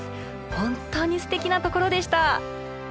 本当にすてきなところでした！